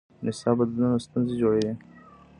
د نصاب بدلونونه ستونزې جوړوي.